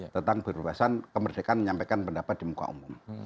tentang berbebasan kemerdekaan menyampaikan pendapat di muka umum